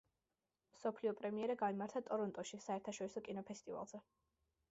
მსოფლიო პრემიერა გაიმართა ტორონტოში, საერთაშორისო კინოფესტივალზე.